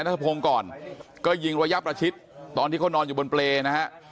ตอนระยะประชิตตอนที่เขานอนอยู่บนเปลยนะครับ